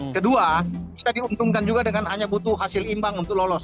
kedua kita diuntungkan juga dengan hanya butuh hasil imbang untuk lolos